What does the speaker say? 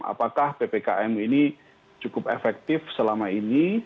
apakah ppkm ini cukup efektif selama ini